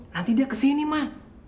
nanti dia kesini ma